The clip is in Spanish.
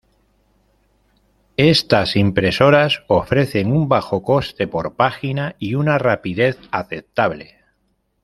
Estas impresoras ofrecen un bajo coste por página, y una rapidez aceptable.